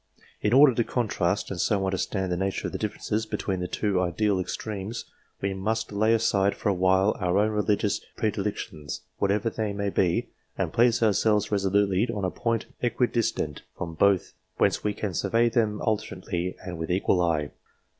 In order to contrast, and so understand the nature of the differences between the two ideal extremes, we must lay aside for a while our own religious predilections whatever they may be and place ourselves resolutely on a point equidistant from both, whence we can survey them alternately with an equal eye.